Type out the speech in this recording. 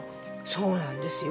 そうなんですよ